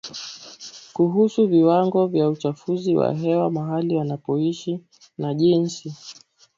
kuhusu viwango vya uchafuzi wa hewa mahali wanapoishi na jinsi